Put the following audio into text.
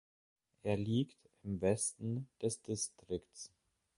Er liegt im Westen des Distrikts.